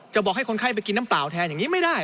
บอกให้คนไข้ไปกินน้ำเปล่าแทนอย่างนี้ไม่ได้